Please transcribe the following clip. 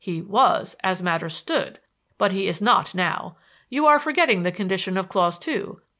"He was as matters stood; but he is not now. You are forgetting the condition of clause two.